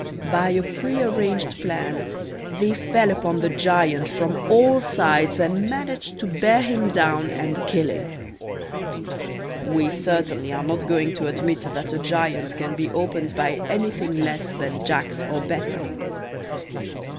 By a prearranged plan they fell upon the giant from all sides and managed to bear him down and kill him. We certainly are not going to admit that a giant can be opened by anything less than Jacks or better.